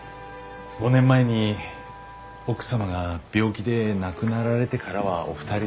５年前に奥様が病気で亡くなられてからはお二人で。